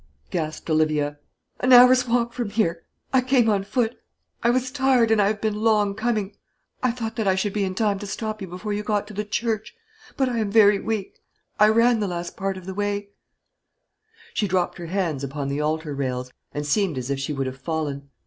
gasped Olivia; "an hour's walk from here. I came on foot. I was tired, and I have been long coming. I thought that I should be in time to stop you before you got to the church; but I am very weak. I ran the last part of the way " She dropped her hands upon the altar rails, and seemed as if she would have fallen.